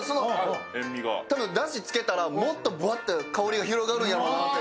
たぶん、だしつけたらもっとぶわって香りが広がるんやろうなって。